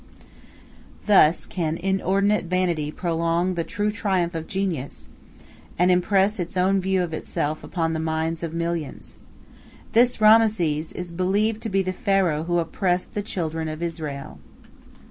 Thus can inordinate vanity prolong the true triumph of genius, and impress its own view of itself upon the minds of millions. This Rameses is believed to be the Pharaoh who oppressed the children of Israel.